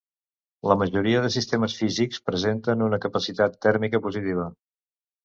La majoria de sistemes físics presenten una capacitat tèrmica positiva.